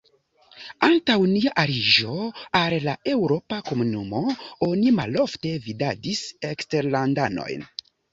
Antaŭ nia aliĝo al la eŭropa komunumo, oni malofte vidadis eksterlandanojn.